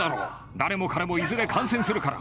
誰も彼もいずれ感染するから。